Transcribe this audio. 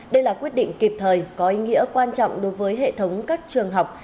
đây là quyết định kịp thời có ý nghĩa quan trọng đối với hệ thống các trường học